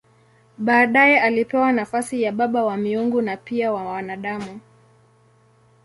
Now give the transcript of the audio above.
Baadaye alipewa nafasi ya baba wa miungu na pia wa wanadamu.